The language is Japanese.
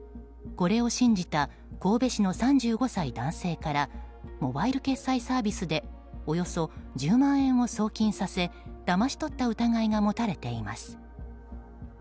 これを信じた神戸市の３５歳男性からモバイル決済サービスでおよそ１０万円を送金させだまし取った疑いが持たれています。